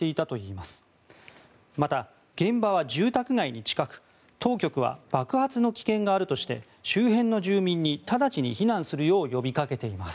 また、現場は住宅街に近く当局は爆発の危険があるとして周辺の住民に直ちに避難するよう呼びかけています。